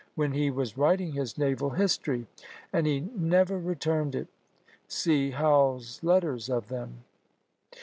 Lediard, when he was writing his Naval History, and he never returned it. See Howell's Letters of them.